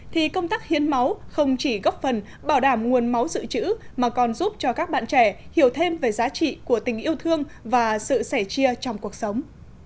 thì công tác hiến máu không chỉ góp phần bảo đảm nguồn máu dự trữ mà còn giúp cho các bạn trẻ hiểu thêm về giá trị của tình yêu thương và sự sẻ chia trong cuộc sống